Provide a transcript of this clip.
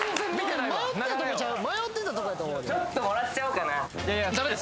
ちょっともらっちゃおうかないい？